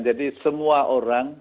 jadi semua orang